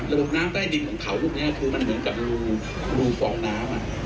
ระบบน้ำใต้ดินของเขาพวกนี้คือมันเหมือนกับรูสองน้ำ